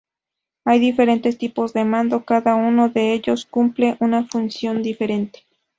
Hay diferentes tipos de mando; cada uno de ellos cumple una función diferente.